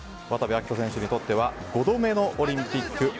渡部暁斗選手にとっては５度目のオリンピック。